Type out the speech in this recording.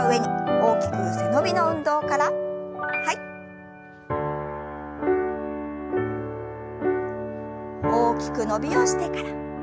大きく伸びをしてから。